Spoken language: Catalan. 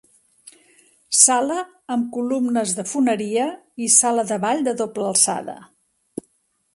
Sala amb columnes de foneria i sala de ball de doble alçada.